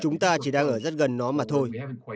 chúng ta chỉ đang ở rất gần nó mà thôi